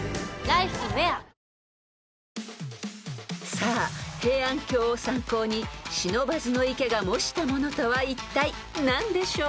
［さあ平安京を参考に不忍池が模したものとはいったい何でしょう？］